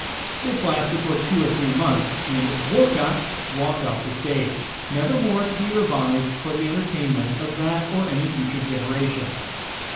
This lasted for two or three months, and "Walker!" walked off the stage, never more to be revived for the entertainment of that or any future generation.